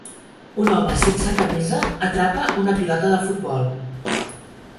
Un home sense camisa atrapa una pilota de futbol.